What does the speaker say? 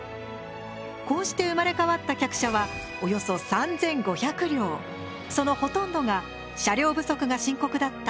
こうして生まれ変わった客車はおよそそのほとんどが車両不足が深刻だった